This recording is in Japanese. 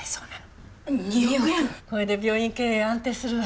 これで病院経営安定するわ。